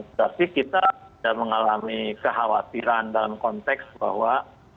tapi kita tidak mengalami kekhawatiran dalam konteks bahwa